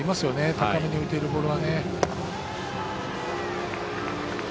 高めに打てるボールはね。